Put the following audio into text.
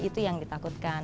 itu yang ditakutkan